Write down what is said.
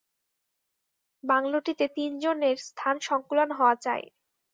বাংলোটিতে তিনজনের স্থান-সঙ্কুলান হওয়া চাই।